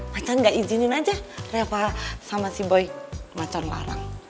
macan nggak izinin aja reva sama si boy macan larang